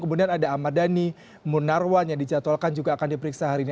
kemudian ada ahmad dhani munarwan yang dijadwalkan juga akan diperiksa hari ini